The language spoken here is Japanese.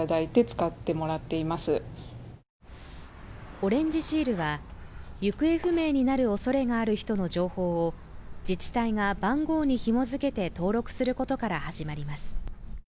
オレンジシールは行方不明になるおそれがある人の情報を自治体が番号にひも付けて登録することから始まります